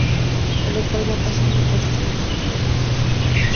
El local va pasando por diversos dueños.